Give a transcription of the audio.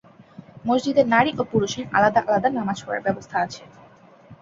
মসজিদে নারী ও পুরুষের আলাদা আলাদা নামাজ পড়ার ব্যবস্থা আছে।